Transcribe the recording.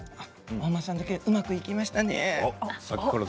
お馬さんだけにうまくいきましたね。